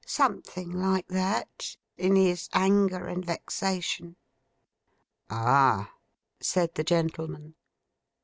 Something like that, in his anger and vexation.' 'Ah!' said the gentleman.